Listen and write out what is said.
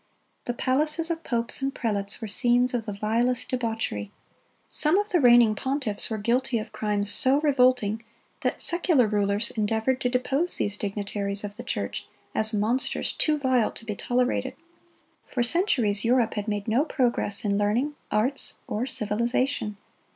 The palaces of popes and prelates were scenes of the vilest debauchery. Some of the reigning pontiffs were guilty of crimes so revolting that secular rulers endeavored to depose these dignitaries of the church as monsters too vile to be tolerated. For centuries Europe had made no progress in learning, arts, or civilization.